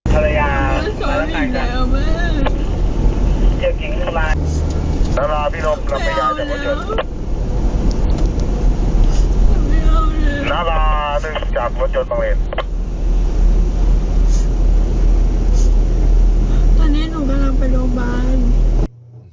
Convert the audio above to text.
ตอนนี้หนูกำลังไปโรงพยาบาล